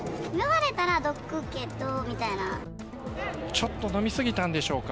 ちょっと飲み過ぎたんでしょうか。